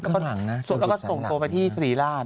แล้วก็ส่งโตไปที่ศรีราช